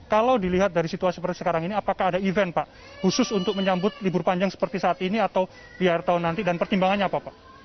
kalau dilihat dari situasi seperti sekarang ini apakah ada event pak khusus untuk menyambut libur panjang seperti saat ini atau di akhir tahun nanti dan pertimbangannya apa pak